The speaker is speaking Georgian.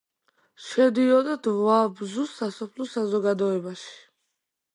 შედიოდა დვაბზუს სასოფლო საზოგადოებაში.